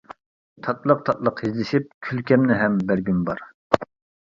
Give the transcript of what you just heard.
تاتلىق تاتلىق يېزىشىپ، كۈلكەمنى ھەم بەرگۈم بار.